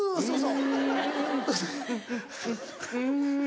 そうそう！